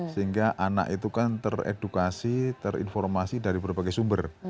sehingga anak itu kan teredukasi terinformasi dari berbagai sumber